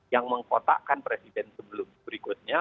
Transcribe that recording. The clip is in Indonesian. yang mengkotakkan presiden sebelum berikutnya